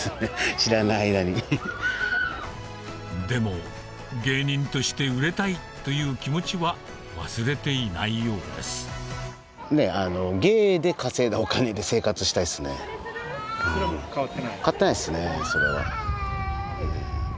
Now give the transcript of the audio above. でも芸人として売れたいという気持ちは忘れていないようですそれは。